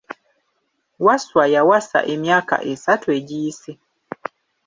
Wasswa yawasa emyaka essatu egiyise.